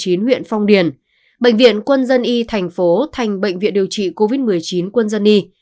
trung tâm y tế huyện phong điền thành bệnh viện quân dân y thành phố thành bệnh viện điều trị covid một mươi chín quân dân y